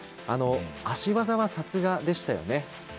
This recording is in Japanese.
足技はさすがでしたよね。